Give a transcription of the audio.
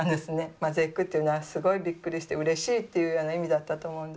まあ絶句っていうのはすごいびっくりしてうれしいっていうような意味だったと思うので。